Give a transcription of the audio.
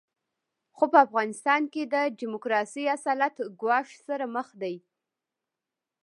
خو په افغانستان کې د ډیموکراسۍ اصالت ګواښ سره مخ دی.